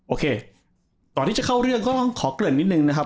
โอเคก่อนที่จะเข้าเรื่องก็ต้องขอเกริ่นนิดนึงนะครับ